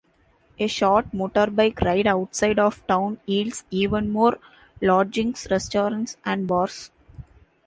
A short motorbike ride outside of town yields even more lodgings, restaurants and bars.